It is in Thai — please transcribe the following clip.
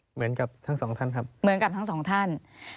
เหมือนกับทั้งสองท่านครับเหมือนกับทั้งสองท่าน